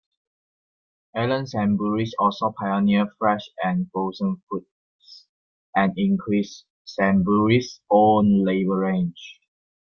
Alan Sainsbury also pioneered fresh and frozen foods, and increased Sainsbury's own label range.